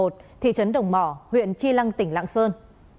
thị trấn đồng mỏ huyện chi lăng tỉnh lạng sơn